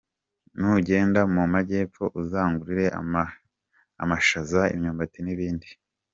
Nugenda mumaajyepfo uzangurire amashaza, imyumbati nibihaza.